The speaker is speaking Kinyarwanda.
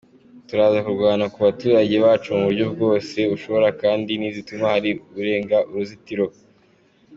Turaza kurwana ku baturage bacu mu buryo bwose bushoboka kandi ntidutuma hari urenga uruzitiro.